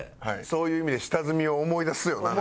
そういう意味で下積みを思い出すよな。